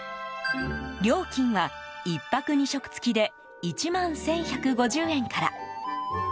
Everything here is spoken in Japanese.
料金は１泊２食付きで１万１１５０円から。